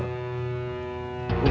dia itu paling senior